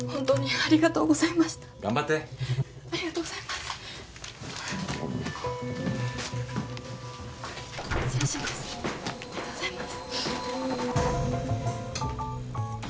ありがとうございます。